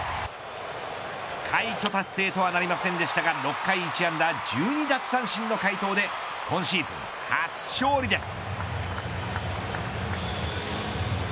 快挙達成となりませんでしたが６回１安打１２奪三振の快投で今シーズン初勝利です。